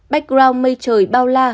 background mây trời bao la